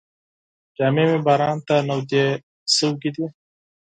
جامې مې باران ته لمدې شوې دي.